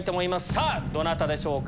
さぁどなたでしょうか？